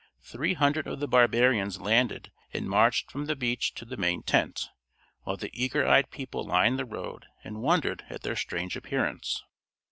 Three hundred of the barbarians landed and marched from the beach to the main tent, while the eager eyed people lined the road and wondered at their strange appearance.